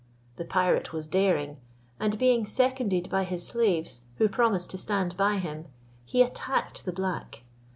The pirate was daring; and being seconded by his slaves, who promised to stand by him, he attacked the black.